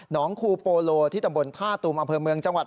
น้องครูโปโลอีที่ตำบลธาตุมอาเมิงจังหวัด